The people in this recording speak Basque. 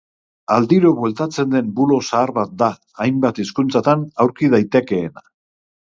Aldiro bueltatzen den bulo zahar bat da, hainbat hizkuntzatan aurki daitekeena.